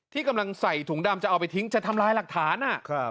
ที่กำลังใส่ถุงดำจะเอาไปทิ้งจะทำลายหลักฐาน